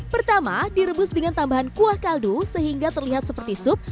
pertama direbus dengan tambahan kuah kaldu sehingga terlihat seperti sup